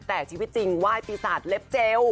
แต่ชีวิตจริงไหว้ปีศาจเล็บเจล